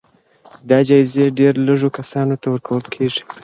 دا جايزې ډېر لږو کسانو ته ورکول کېږي.